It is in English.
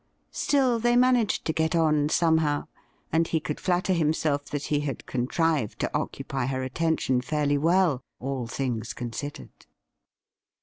Still, they managed to get on somehow, and he could flatter himself that he had contrived to occupy her attention fairly well, all things considered.